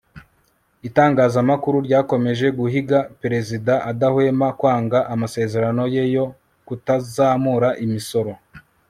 Itangazamakuru ryakomeje guhiga perezida adahwema kwanga amasezerano ye yo kutazamura imisoro